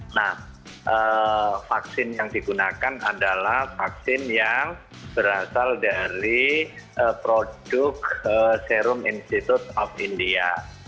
nah vaksin yang digunakan adalah vaksin yang berasal dari produk serum institute of india